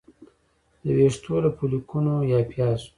د ویښتو له فولیکونو یا پیازو